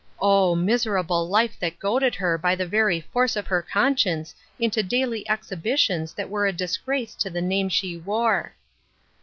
Oh ! miserable life that goaded her by the very force of her conscience into daily ex hibitions that were a disgrace to the name she wore